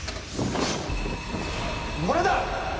これだ。